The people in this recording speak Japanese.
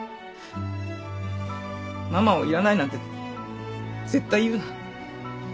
ママをいらないなんて絶対言うな。